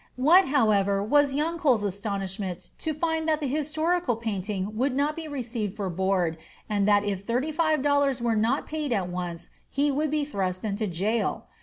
What, however, was young Cole's astonishment to find that the historical painting would not be received for board, and that if thirty five dollars were not at once paid, he would be thrust into jail!